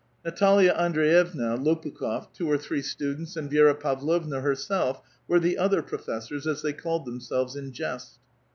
Natalia Andr^yevna, Lopukh6f, two or three students, and Viera Pavlovna herself were the other professoi*s, a£ they called themselves in jest.